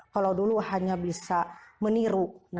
kalau dulu hanya bisa meniru